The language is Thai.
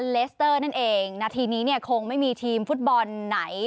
เลสเตอร์นั่นเองนาทีนี้เนี่ยคงไม่มีทีมฟุตบอลไหน